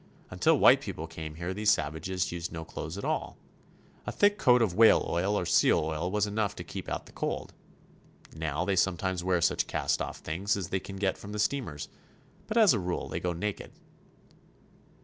Until white people came here these savages used no clothes at all. A thick coat of whale oil or seal oil was enough to keep out the cold. Now they sometimes wear such cast off things as they can get from the steamers, but as a rule they go naked.